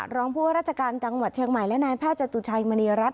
รองผู้ว่าราชการจังหวัดเชียงใหม่และนายแพทย์จตุชัยมณีรัฐ